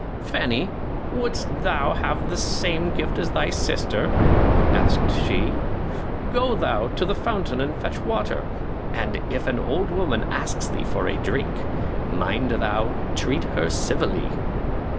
"Fanny, wouldst thou have the same gift as thy sister?" asked she. "Go thou to the fountain and fetch water. And if an old woman asks thee for a drink, mind thou treat her civilly."